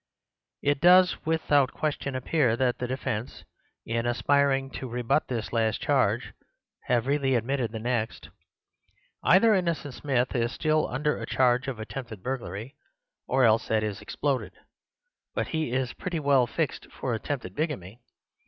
It does without question appear that the defence, in aspiring to rebut this last charge, have really admitted the next. Either Innocent Smith is still under a charge of attempted burglary, or else that is exploded; but he is pretty well fixed for attempted bigamy.